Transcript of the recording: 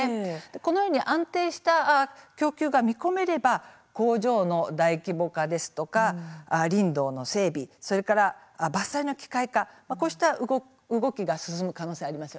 このように安定した供給が見込めれば工場の大規模化ですとか林道の整備、それから伐採の機械化こうした動きが進む可能性があります。